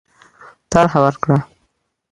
طرح ورکړه.